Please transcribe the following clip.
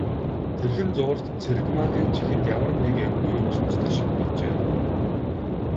Тэрхэн зуур Цэрэгмаагийн чихэнд ямар нэг эвгүй үг сонстох шиг болжээ.